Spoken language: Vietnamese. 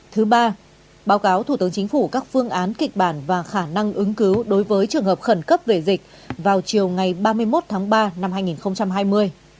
thứ ba báo cáo thủ tướng chính phủ các phương án kịch bản và khả năng ứng cứu đối với trường hợp khẩn cấp về dịch vào chiều ngày ba mươi một tháng ba năm hai nghìn hai mươi